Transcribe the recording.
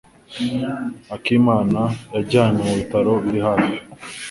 Akimana yajyanywe mu bitaro biri hafi.